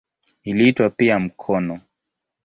Iliitwa pia "mkono".